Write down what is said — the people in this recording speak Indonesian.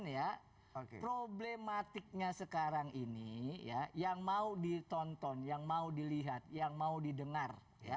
ya problematiknya sekarang ini ya yang mau ditonton yang mau dilihat yang mau didengar